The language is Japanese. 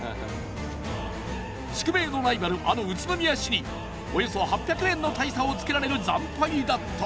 宿命のライバルあの宇都宮市におよそ８００円の大差をつけられる惨敗だった。